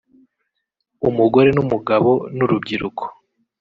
umugore n’umugabo n’urubyiruko